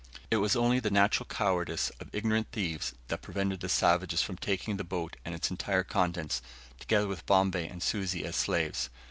It was only the natural cowardice of ignorant thieves that prevented the savages from taking the boat and its entire contents, together with Bombay and Susi as slaves.